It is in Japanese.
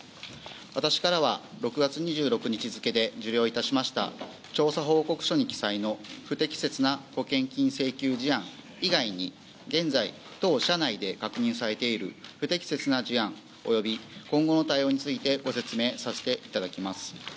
私からは６月２６日付で受領しました調査報告書に記載の不適切な保険金請求事案以外に現在、当社内で確認されている不適切な事案及び今後の対応についてご説明させていただきます。